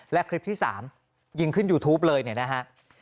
และคลิปที่๓ยิงขึ้นยูทูปเลยเนี่ยนะฮะ